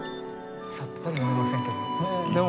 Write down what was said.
さっぱり読めませんけど。